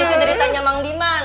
itu sih deritanya mang diman